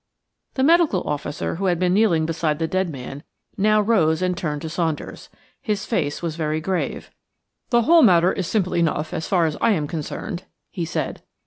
The medical officer, who had been kneeling beside the dead man, now rose and turned to Saunders. His face was very grave. "The whole matter is simple enough, so far as I am concerned," he said.